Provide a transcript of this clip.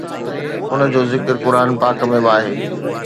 ان جو ذڪر قرآن پاڪ ۾ به آهي